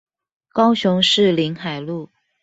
高雄市臨海路